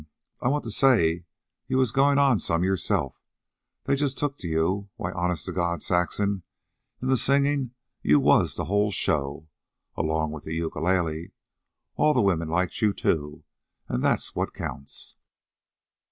"Huh, I want to say you was goin' some yourself. They just took to you. Why, honest to God, Saxon, in the singin' you was the whole show, along with the ukulele. All the women liked you, too, an' that's what counts."